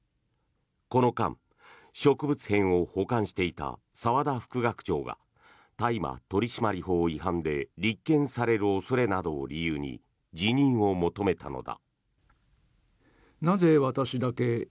この間、植物片を保管していた澤田副学長が大麻取締法違反で立件される恐れなどを理由に辞任を求めたのだ。